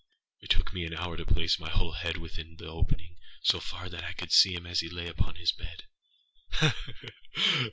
It took me an hour to place my whole head within the opening so far that I could see him as he lay upon his bed.